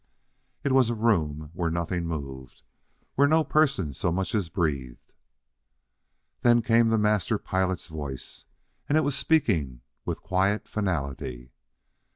It was a room where nothing moved where no person so much as breathed.... Then came the Master Pilot's voice, and it was speaking with quiet finality.